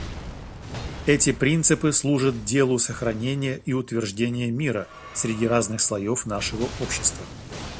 Эти принципы служат делу сохранения и утверждения мира среди разных слоев нашего общества.